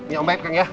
ini om baik kang ya